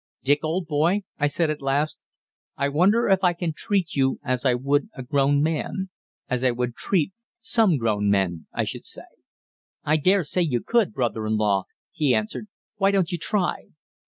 "Dick, old boy," I said, at last, "I wonder if I can treat you as I would a grown man as I would treat some grown men, I should say." "I dare say you could, brother in law," he answered. "Why don't you try?"